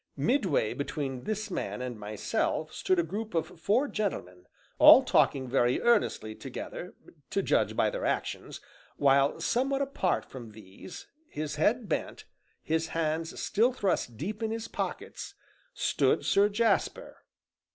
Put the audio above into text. Midway between this man and myself stood a group of four gentlemen, all talking very earnestly together, to judge by their actions, while somewhat apart from these, his head bent, his hands still thrust deep in his pockets, stood Sir Jasper.